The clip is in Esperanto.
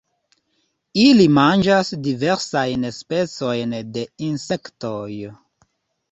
Ili manĝas diversajn specojn de insektoj.